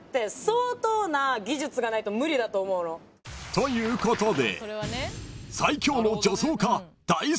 ［ということで］